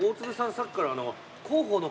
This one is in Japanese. さっきから。